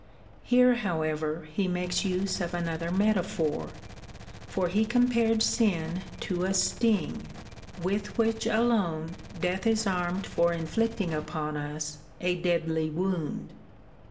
Here, how ever, lie makes use of another metaphor, for he compared sin to a sti7ig, with which alone death is armed for inflicting upon us a deadly wound.